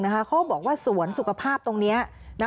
เขาบอกว่าสวนสุขภาพตรงนี้